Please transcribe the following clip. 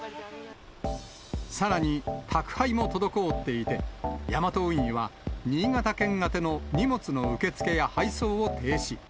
さらに宅配も滞っていて、ヤマト運輸は、新潟県宛ての荷物の受け付けや配送を停止。